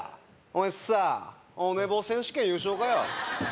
お前さお寝坊選手権優勝かよ